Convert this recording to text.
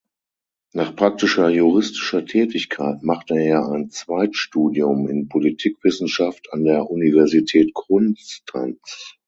Nach praktischer juristischer Tätigkeit machte er ein Zweitstudium in Politikwissenschaft an der Universität Konstanz.